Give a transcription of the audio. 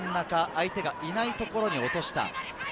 相手がいないところに落とした。